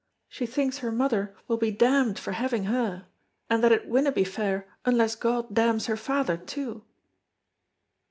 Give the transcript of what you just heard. She thinks her mother will be damned for having her, and that it winna be fair unless God damns her father too."